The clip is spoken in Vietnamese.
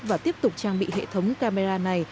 và tiếp tục trang bị hệ thống camera này